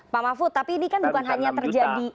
pak mahfud tapi ini kan bukan hanya terjadi